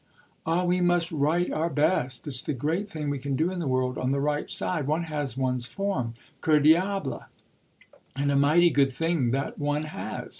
Ah we must write our best; it's the great thing we can do in the world, on the right side. One has one's form, que diable, and a mighty good thing that one has.